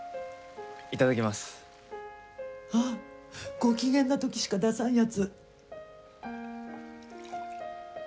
ご機嫌な時しか出さんやつ。